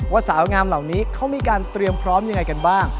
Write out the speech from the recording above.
สาวงามเหล่านี้เขามีการเตรียมพร้อมยังไงกันบ้าง